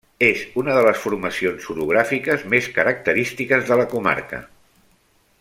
És una de les formacions orogràfiques més característiques de la comarca.